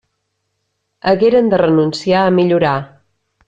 Hagueren de renunciar a millorar.